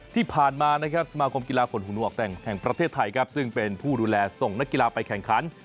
ที่ผ่านมาสมาคมกีฬาคนหูนวกแห่งประเทศไทยซึ่งเป็นผู้ดูแลส่งนักกีฬาไปแข่งขัน